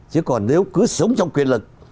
chứ còn nếu cứ sống trong quyền lực